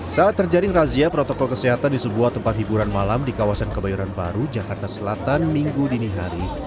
saat terjaring razia protokol kesehatan di sebuah tempat hiburan malam di kawasan kebayoran baru jakarta selatan minggu dini hari